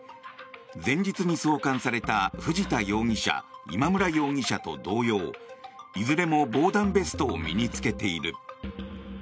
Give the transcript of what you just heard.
前日に送還された藤田容疑者、今村容疑者と同様いずれも防弾ベストを身に着けている。